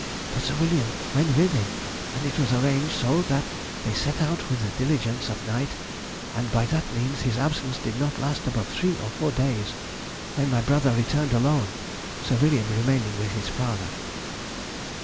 But Sir William went with him, and it was arranged so that they set out with the diligence at night, and by that means his absence did not last above three or four days, when my brother returned alone, Sir William remaining with his father.